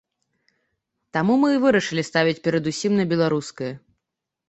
Таму мы і вырашылі ставіць перадусім на беларускае.